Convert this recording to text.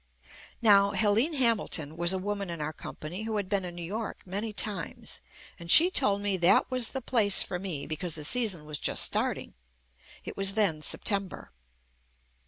Now, Helene Hamilton was a woman in our com pany who had been in New York many times, and she told me that was the place for me be JUST ME cause the season was just starting. It was then September.